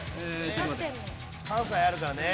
関西あるからね。